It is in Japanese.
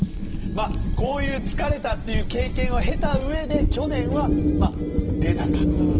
こういう疲れたという経験を経たうえで去年は出なかったと。